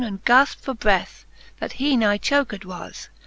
And gafpe for breath, that he nigh choked was.